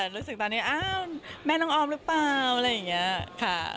รู้สึกตอนนี้อ้าวแม่น้องออมหรือเปล่าอะไรอย่างนี้ค่ะ